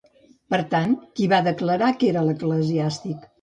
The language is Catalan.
Per tant, qui va declarar que era l'eclesiàstic?